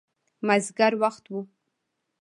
مازدیګر وخت و.